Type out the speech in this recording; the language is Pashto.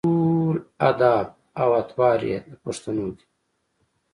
ټول اداب او اطوار یې د پښتنو دي.